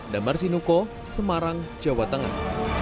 damar sinuko semarang jawa tengah